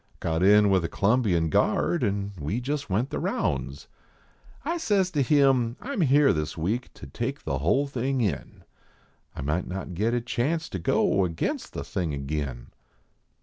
Got in with a C lumbian guard and we jist went the rounds. I says to him, "I m here this week to take the hull tiling in ; I might not git a chance to go against the thing agin.